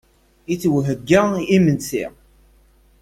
Ittwaheyya yimensi.